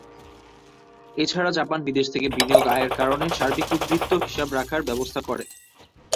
এছাড়া জাপান বিদেশ থেকে বিনিয়োগ আয়ের কারণে সার্বিক উদ্বৃত্ত হিসাব রাখার ব্যবস্থা করে।